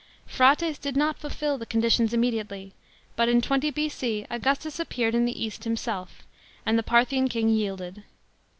Phraates did not fulfil the conditions immediately, but in 20 B.C. Augustus appeared in the East himself, and the Parthian king yielded.